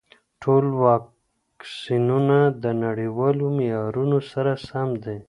ټول واکسینونه د نړیوالو معیارونو سره سم دي.